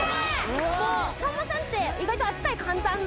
さんまさんって意外と扱い簡単で。